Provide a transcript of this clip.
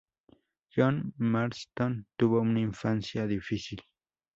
John Marston tuvo una infancia difícil.